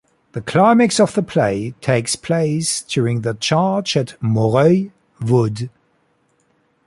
The climax of the play takes place during the charge at Moreuil Wood.